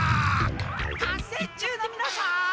合戦中のみなさん！